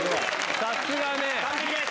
さすがね。